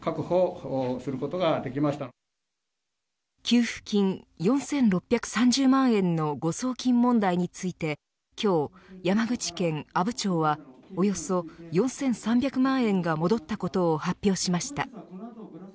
給付金４６３０万円の誤送金問題について今日、山口県阿武町はおよそ４３００万円が戻ったことを発表しました。